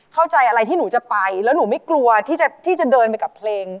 เข้าใจอะไรที่หนูจะไปแล้วหนูไม่กลัวที่จะเดินไปกับเพลง